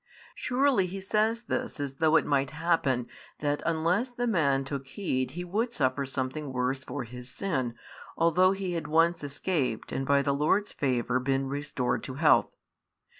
Surely He says this as though it might happen that unless the man took heed he would suffer something worse for his sin, although he had once escaped and by the Lord's favour been restored to health.